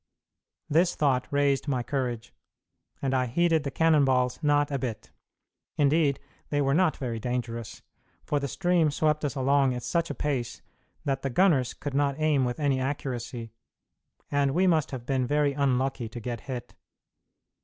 This thought raised my courage, and I heeded the cannon balls not a bit. Indeed, they were not very dangerous, for the stream swept us along at such a pace that the gunners could not aim with any accuracy, and we must have been very unlucky to get hit.